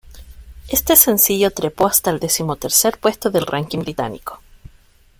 Este sencillo trepó hasta el decimotercer puesto del ranking británico.